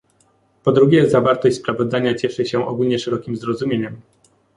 Po drugie, zawartość sprawozdania cieszy się ogólnie szerokim zrozumieniem